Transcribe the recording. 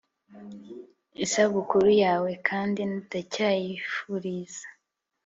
isabukuru yawe, kandi ndacyayifuriza